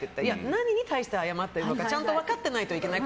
何に対して謝ってるのか分かってないといけない。